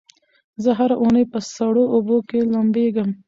زه هره اونۍ په سړو اوبو کې لمبېږم.